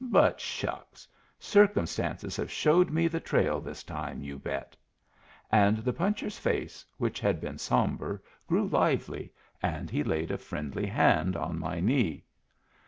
But shucks! Circumstances have showed me the trail this time, you bet!" And the puncher's face, which had been sombre, grew lively, and he laid a friendly hand on my knee.